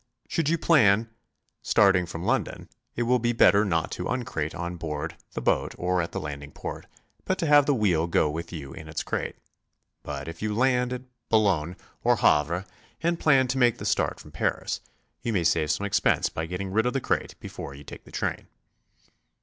Should you plan starting from London, it will be better not to nncrate on board the boat or at the landing port, but to have the wheel go with you in its crate. But if you land BICYCLE TOURING. 123 at Boulogne or Havre and plan to make the start from Paris, you may save some expense by getting rid of the crate before you take the train.